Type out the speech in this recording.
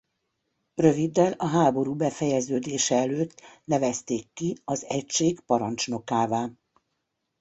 Röviddel a háború befejeződése előtt nevezték ki az egység parancsnokává.